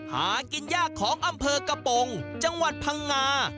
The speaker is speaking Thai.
หากินยากของอำเภอกระโปรงจังหวัดพังงา